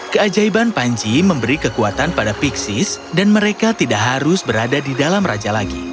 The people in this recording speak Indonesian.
keajaiban panji memberi kekuatan pada pixis dan mereka tidak harus berada di dalam raja lagi